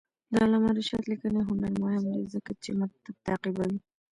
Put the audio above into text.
د علامه رشاد لیکنی هنر مهم دی ځکه چې مکتب تعقیبوي.